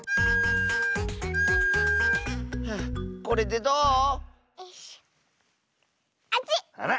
これでどう？